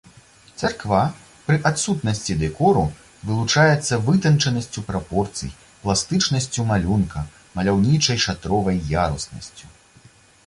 Царква пры адсутнасці дэкору вылучаецца вытанчанасцю прапорцый, пластычнасцю малюнка, маляўнічай шатровай яруснасцю.